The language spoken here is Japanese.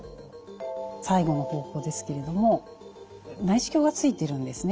最後の方法ですけれども内視鏡がついてるんですね。